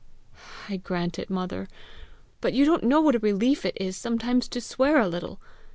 "I grant it, mother. But you don't know what a relief it is sometimes to swear a little!